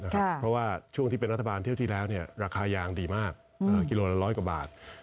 เพราะว่าช่วงที่เป็นรัฐบาลเที่ยวที่แล้วราคายางดีมากกิโลละ๑๐๐กว่าบาท